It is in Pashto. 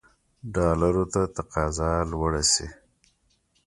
ډالرو ته تقاضا لوړه شي.